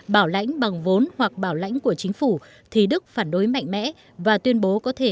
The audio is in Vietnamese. bảo lãnh bằng vốn hoặc bảo lãnh của chính phủ thì đức phản đối mạnh mẽ và tuyên bố có thể